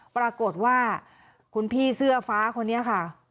ปรากฏว่าคุณพี่เสื้อฟ้าคนนี้ค่ะ